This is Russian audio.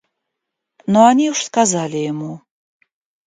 Но они уж сказали ему.